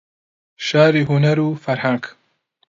شاری هونەر و فەرهەنگ